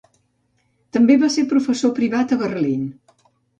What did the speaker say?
També va ser professor privat a Berlín.